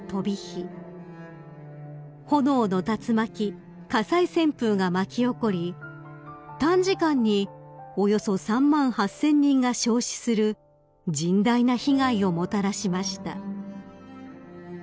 ［炎の竜巻火災旋風が巻き起こり短時間におよそ３万８，０００人が焼死する甚大な被害をもたらしました］